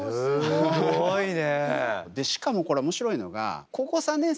すごいね。